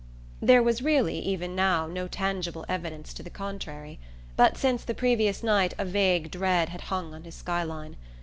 There was really, even now, no tangible evidence to the contrary; but since the previous night a vague dread had hung on his sky line.